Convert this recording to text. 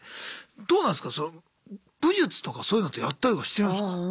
どうなんすか武術とかそういうのってやったりとかしてるんすか？